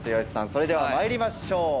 それでは参りましょう。